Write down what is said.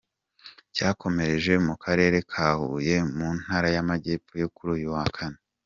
cyakomereje mu karere ka Huye mu ntara y’Amajyepfo kuri uyu wa kane.